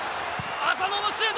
浅野のシュート！